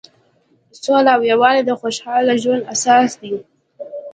سوله او یووالی د خوشحاله ژوند اساس دی.